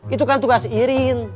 itu kan tugas irin